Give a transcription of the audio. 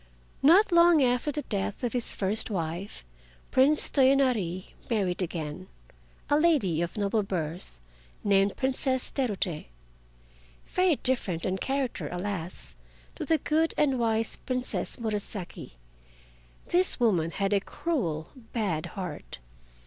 Not long after the death of his first wife, Prince Toyonari married again, a lady of noble birth named Princess Terute. Very different in character, alas! to the good and wise Princess Murasaki, this woman had a cruel, bad heart.